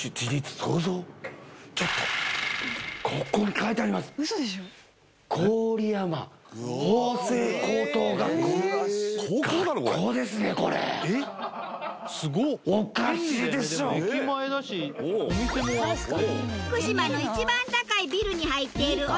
福島の一番高いビルに入っている驚きの施設